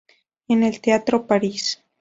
En el Teatro París.